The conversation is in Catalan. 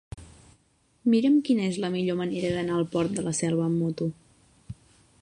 Mira'm quina és la millor manera d'anar al Port de la Selva amb moto.